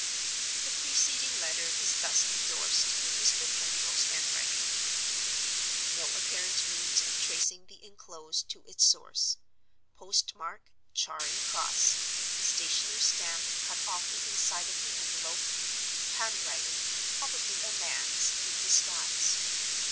[The preceding letter is thus indorsed, in Mr. Pendril's handwriting: "No apparent means of tracing the inclosed to its source. Post mark, 'Charing Cross.' Stationer's stamp cut off the inside of the envelope. Handwriting, probably a man's, in disguise.